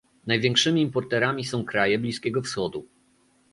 Największymi importerami są kraje Bliskiego Wschodu